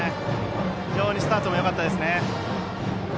非常にスタートもよかったです。